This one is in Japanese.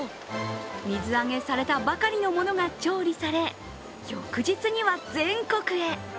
水揚げされたばかりのものが調理され、翌日には全国へ。